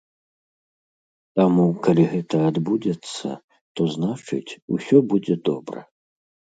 Таму, калі гэта адбудзецца, то значыць, усё будзе добра.